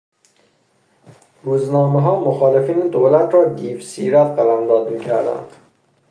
روزنامهها مخالفین دولت را دیو سیرت قلمداد میکردند.